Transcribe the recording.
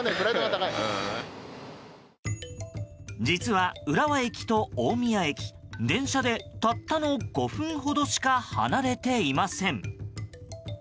実は浦和駅と大宮駅電車でたったの５分ほどしか離れていません。